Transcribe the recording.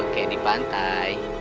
kayak di pantai